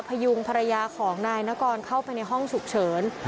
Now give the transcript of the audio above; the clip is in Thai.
พยุงภรรยาของนายนกรเข้าไปในห้องฉุกเฉิน